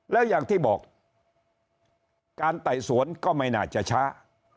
แล้วอย่างที่บอกการไต่สวนก็ไม่น่าจะช้า